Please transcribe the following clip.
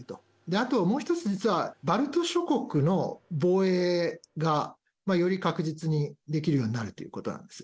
あと、もう一つ、実はバルト諸国の防衛がより確実にできるようになるということなんです。